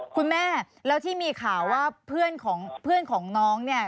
คุณแม่แล้วที่มีข่าวว่าเพื่อนของน้อง